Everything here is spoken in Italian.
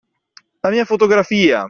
La mia fotografia!